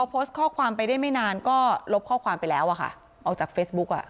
พอโพสต์ข้อความไปได้ไม่นานก็ลบข้อความไปแล้วอะค่ะออกจากเฟซบุ๊กอ่ะ